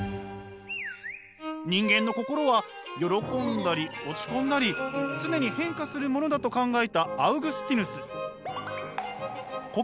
人間の心は喜んだり落ち込んだり常に変化するものだと考えたアウグスティヌス。